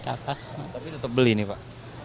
tapi tetap beli nih pak